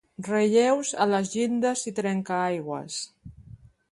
Relleus a les llindes i trencaaigües.